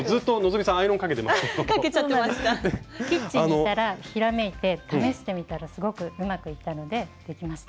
キッチンにいたらひらめいて試してみたらすごくうまくいったのでできました。